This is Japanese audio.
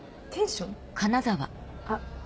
あっ。